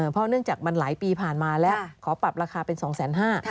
เพราะเนื่องจากมันหลายปีผ่านมาแล้วขอปรับราคาเป็น๒๕๐๐บาท